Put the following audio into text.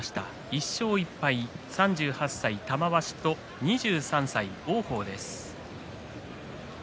１勝１敗、３８歳玉鷲と２３歳王鵬です。